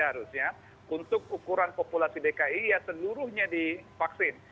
seharusnya untuk ukuran populasi dki ya seluruhnya di vaksin